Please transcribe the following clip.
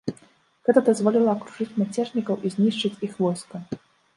Гэта дазволіла акружыць мяцежнікаў і знішчыць іх войска.